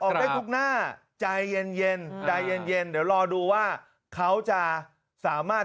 ได้ทุกหน้าใจเย็นใจเย็นเดี๋ยวรอดูว่าเขาจะสามารถ